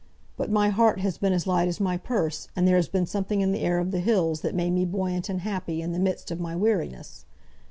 But my heart has been as light as my purse, and there has been something in the air of the hills that made me buoyant and happy in the midst of my weariness.